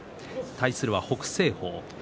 対するは北青鵬。